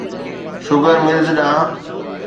sugar mills ڏانهن